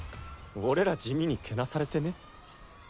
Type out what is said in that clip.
俺ら地味にけなされてね？